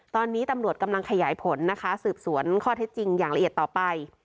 ตอนนี้ตำรวจกำลังขยายผลนะคะสืบสวนข้อเท็จจริงอย่างละเอียดต่อไป